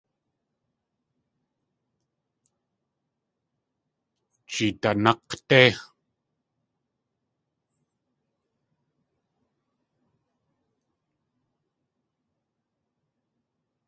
Jeedanák̲ dé!